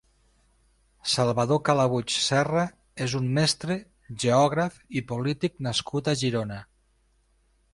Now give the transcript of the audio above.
Salvador Calabuig Serra és un mestre, geògraf i polític nascut a Girona.